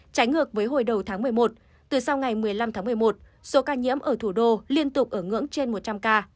trái ngược với hồi đầu tháng một mươi một từ sau ngày một mươi năm tháng một mươi một số ca nhiễm ở thủ đô liên tục ở ngưỡng trên một trăm linh ca